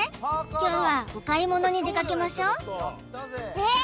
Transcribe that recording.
今日はお買い物に出かけましょうえっ